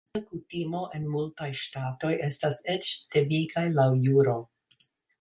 Tia kutimo en multaj ŝtatoj estas eĉ devigaj laŭ juro.